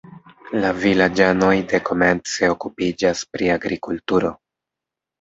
La vilaĝanoj dekomence okupiĝas pri agrikulturo.